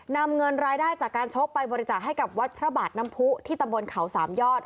นำเงินรายได้จากการชกไปบริจาคให้กับวัดพระบาทน้ำผู้ที่ตำบลเขาสามยอด